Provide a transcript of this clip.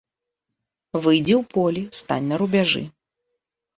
Выйдзі ў поле, стань на рубяжы.